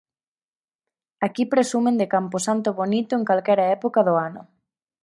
Aquí presumen de camposanto bonito en calquera época do ano.